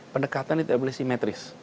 pendekatan tidak boleh simetris